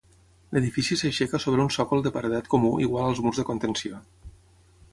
L'edifici s'aixeca sobre un sòcol de paredat comú igual als murs de contenció.